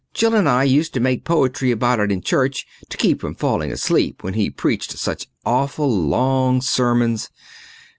Jill and I used to make poetry about it in church to keep from falling asleep when he preached such awful long sermons.